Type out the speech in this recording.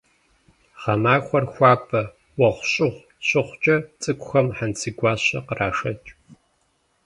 Гъэмахуэр хуабэ, уэгъущӏыгъу щыхъукӏэ, цӏыкӏухэм хьэнцейгуащэ кърашэкӏ.